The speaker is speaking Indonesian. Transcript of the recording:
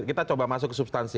kita coba masuk ke substansi